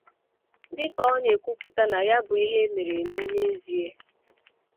Dịka ọ na-ekwuputa na ya bụ ihe mere eme n’ezie